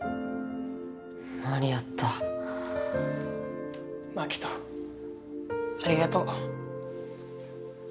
間に合ったマキトありがとう